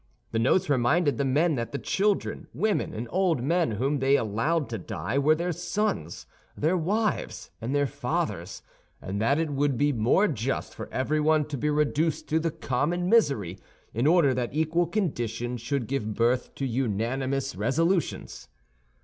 The notes reminded the men that the children, women, and old men whom they allowed to die were their sons, their wives, and their fathers, and that it would be more just for everyone to be reduced to the common misery, in order that equal conditions should give birth to unanimous resolutions.